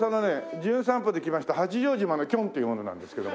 『じゅん散歩』で来ました八丈島のキョンという者なんですけども。